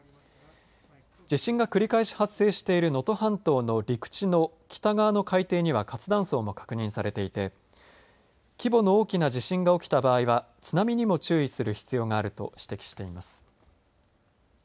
地震が繰り返し発生している能登半島の陸地の北側の海底には活断層も確認されていて規模の大きな地震が起きた場合は津波にも注意する必要があると指摘しています。